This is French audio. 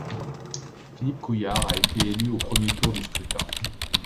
Philippe Couillard a été élu au premier tour de scrutin.